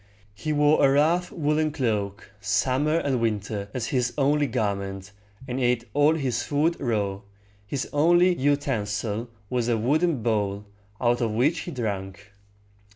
He wore a rough woolen cloak, summer and winter, as his only garment, and ate all his food raw. His only utensil was a wooden bowl, out of which he drank.